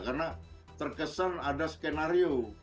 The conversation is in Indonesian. karena terkesan ada skenario